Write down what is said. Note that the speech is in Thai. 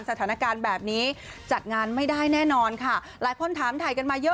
สถานการณ์แบบนี้จัดงานไม่ได้แน่นอนค่ะหลายคนถามถ่ายกันมาเยอะ